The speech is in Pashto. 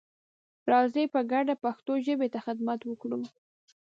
راځئ په ګډه پښتو ژبې ته خدمت وکړو.